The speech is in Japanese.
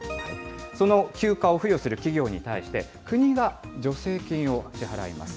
その休暇を付与する企業に対して、国が助成金を支払います。